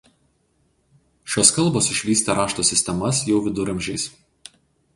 Šios kalbos išvystė rašto sistemas jau viduramžiais.